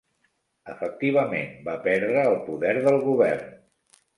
Efectivament va perdre el poder del govern.